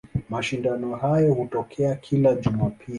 Mashindano hayo hutokea kila Jumapili.